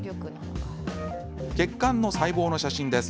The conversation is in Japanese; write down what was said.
血管の細胞の写真です。